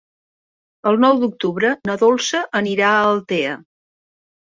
El nou d'octubre na Dolça anirà a Altea.